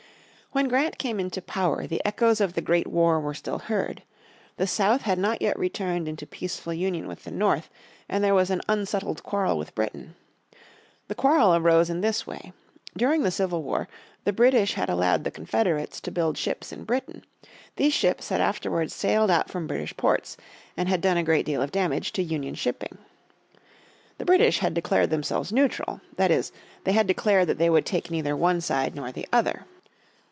When Grant came into power the echoes of the great war were still heard. The South had not yet returned into peaceful union with the North, and there was an unsettled quarrel with Britain. The quarrel arose in this way. During the Civil War the British had allowed the Confederates to build ships in Britain; these ships had afterwards sailed out from British ports, and had done a great deal of damage to Union shipping. The British had declared themselves neutral. That is, they had declared that they would take neither one side nor the other.